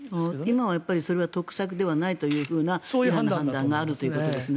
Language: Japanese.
今はそれは得策ではないというふうな判断があるということですね。